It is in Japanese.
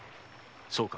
そうか。